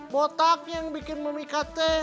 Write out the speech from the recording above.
botak yang bikin memikat teh